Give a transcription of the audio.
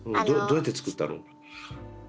どうやってつくったの？